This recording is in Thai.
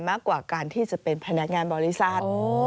มากกว่าการที่จะเป็นพนักงานบริษัท